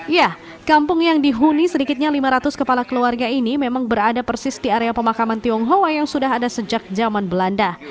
ya kampung yang dihuni sedikitnya lima ratus kepala keluarga ini memang berada persis di area pemakaman tionghoa yang sudah ada sejak zaman belanda